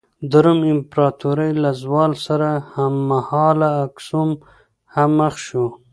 د روم امپراتورۍ له زوال سره هممهاله اکسوم هم مخ شو.